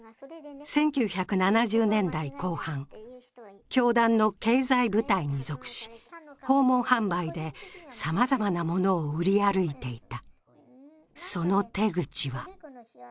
１９７０年代後半、教団の経済部隊に属し、訪問販売でさまざまなものを売り歩いていた。